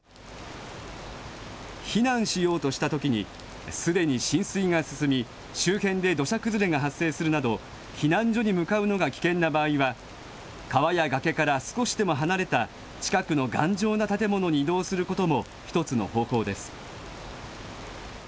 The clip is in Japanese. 避難しようとしたときに、すでに浸水が進み、周辺で土砂崩れが発生するなど、避難所に向かうのが危険な場合は、川や崖から少しでも離れた、近くの頑丈な建物に移動することも一つの方法です。